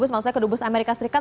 maksudnya kedubes amerika serikat